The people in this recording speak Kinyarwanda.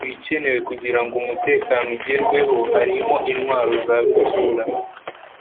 ibikenewe kugira ngo umutekano ugerweho harimo intwaro zarutura